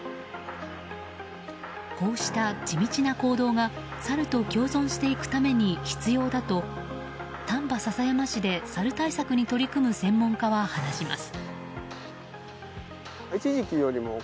こうした地道な行動が、サルと共存していくために必要だと丹波篠山市でサル対策に取り組む専門家は話します。